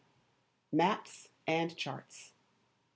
Maps and Charts.